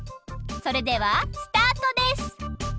それではスタートです！